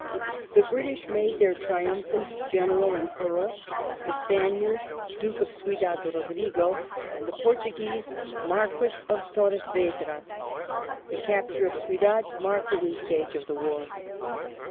The British made their triumphant General an Earl; the Spaniards, Duke of Ciudad Eodrigo; and the Portuguese, Marquis of Torres Vedras. The capture of Ciudad marked a new stage of the war.